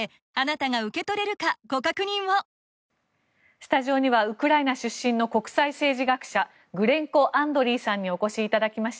スタジオにはウクライナ出身の国際政治学者グレンコ・アンドリーさんにお越しいただきました。